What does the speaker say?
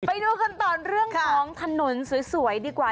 ไปดูกันต่อเรื่องของถนนสวยดีกว่า